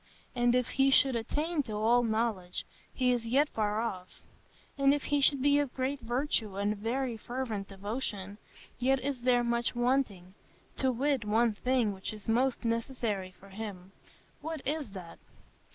And if he should attain to all knowledge, he is yet far off. And if he should be of great virtue, and very fervent devotion, yet is there much wanting; to wit, one thing, which is most necessary for him. What is that?